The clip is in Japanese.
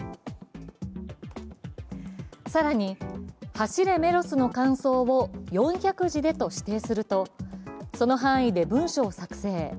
更に、「走れメロス」の感想を４００字でと指定するとその範囲で文章を作成。